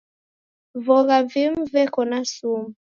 Vogha vimu veka na sumu.